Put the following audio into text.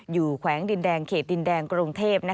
แขวงดินแดงเขตดินแดงกรุงเทพ